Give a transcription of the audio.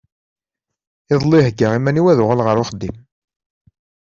Iḍelli heggeɣ iman-is ad uɣaleɣ ar uxeddim.